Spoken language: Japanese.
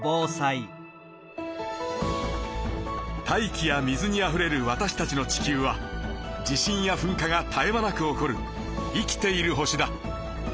大気や水にあふれるわたしたちの地球は地震やふん火がたえ間なく起こる生きている星だ。